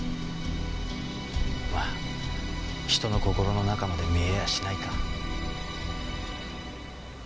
まあ人の心の中まで見えやしないか。